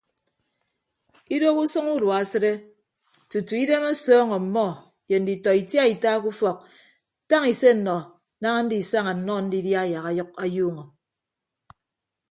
Idoho usʌñ udua asịde tutu idem ọsọọñ ọmmọ ye nditọ itiaita ke ufọk tañ ise nnọ daña ndisaña nnọ ndidia yak ayuuñọ.